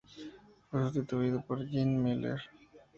Fue sustituido por Jim Miller.